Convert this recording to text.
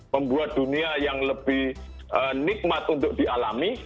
membuat dunia yang lebih nikmat untuk dialami